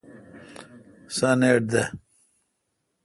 سانیٹ دے۔